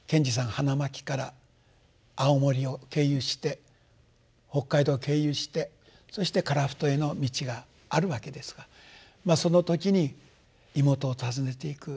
花巻から青森を経由して北海道を経由してそして樺太への道があるわけですがその時に妹を訪ねていく。